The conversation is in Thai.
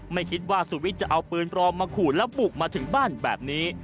ไม่คิดว่าสุวิทย์จะเอาปืนปลอมมาขู่แล้วบุกมาถึงบ้านแบบนี้